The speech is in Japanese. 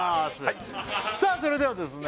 それではですね